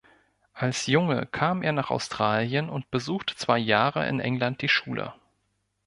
Als Junge kam er nach Australien und besuchte zwei Jahre in England die Schule.